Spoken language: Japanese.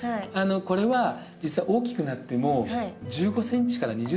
これは実は大きくなっても１５ｃｍから２０ｃｍぐらい。